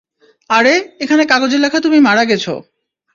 আরে এখানে কাগজে লেখা তুমি মারা গেছো!